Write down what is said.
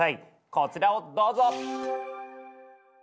こちらをどうぞ！